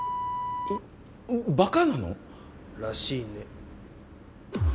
バカなの？らしいね。